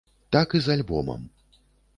Так і з альбомам.